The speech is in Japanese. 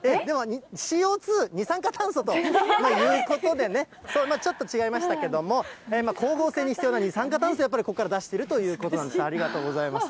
ＣＯ２、二酸化炭素ということでね、ちょっと違いましたけど、光合成に必要な二酸化炭素、やっぱりここから出しているということなんです、ありがとうございます。